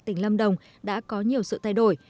tỉnh lâm đồng đã có nhiều sự thay đổi